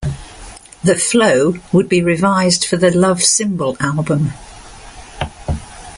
"The Flow" would be revised for the "Love Symbol Album".